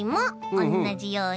おんなじように？